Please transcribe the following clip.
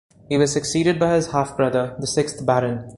He was succeeded by his half-brother, the sixth Baron.